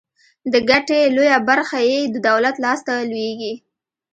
د ګټې لویه برخه یې د دولت لاس ته لویږي.